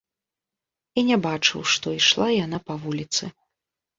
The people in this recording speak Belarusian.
І не бачыў, што ішла яна па вуліцы.